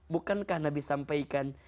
bukankah nabi sampaikan